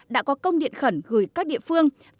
đã có công điện khẩn gửi các địa phương